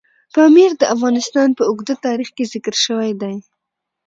پامیر د افغانستان په اوږده تاریخ کې ذکر شوی دی.